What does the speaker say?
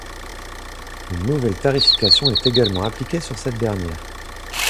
Une nouvelle tarification est également appliqué sur cette dernière.